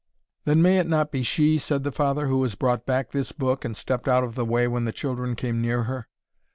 "Then, may it not be she," said the father, "who has brought back this book, and stepped out of the way when the children came near her?"